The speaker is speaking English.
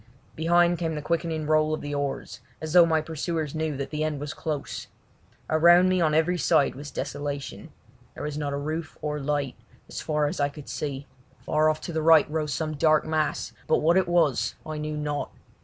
Behind came the quickening roll of the oars, as though my pursuers knew that the end was close. Around me on every side was desolation; there was not a roof or light, as far as I could see. Far off to the right rose some dark mass, but what it was I knew not.